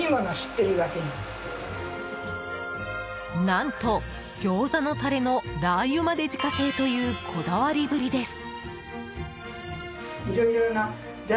何とギョーザのタレのラー油まで自家製というこだわりぶりです。